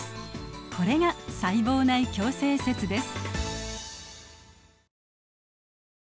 これが細胞内共生説です。